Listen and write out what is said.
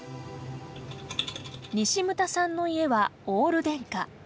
西牟田さんの家はオール電化。